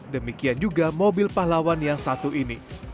demikian juga mobil pahlawan yang satu ini